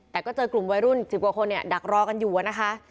แต่ก็เจอกลุ่มวัยรุ่น๑๐กว่าคนเนี่ยดักรอกันอยู่นะคะ